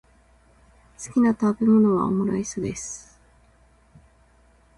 好きな食べ物はオムライスです。